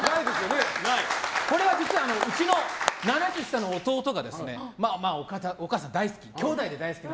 これは、うちの７つ下の弟がお母さん大好き、兄弟で大好き。